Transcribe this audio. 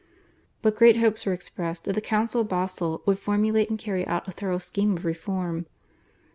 But great hopes were expressed that the Council of Basle would formulate and carry out a thorough scheme of reform.